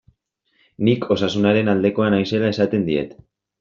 Nik Osasunaren aldekoa naizela esaten diet.